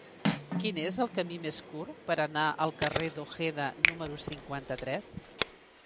Quin és el camí més curt per anar al carrer d'Ojeda número cinquanta-tres?